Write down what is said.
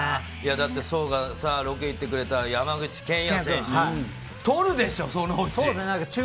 だって、壮がさ、ロケ行ってくれた山口拳矢選手、取るでしょ、そのうち。